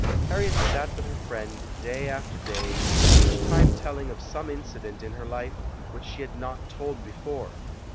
Harriet sat with her friend day after day, each time telling of some incident in her life which she had not told before.